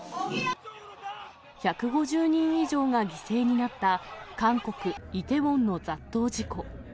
１５０人以上が犠牲になった韓国・イテウォンの雑踏事故。